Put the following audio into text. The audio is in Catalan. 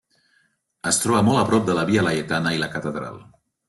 Es troba molt a prop de la Via Laietana i la Catedral.